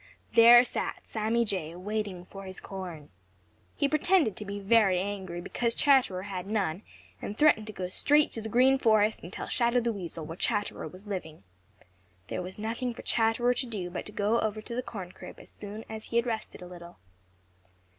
There sat Sammy Jay, waiting for his corn. He pretended to be very angry because Chatterer had none and threatened to go straight to the Green Forest and tell Shadow the Weasel where Chatterer was living. There was nothing for Chatterer to do but to go over to the corn crib as soon as he had rested a little.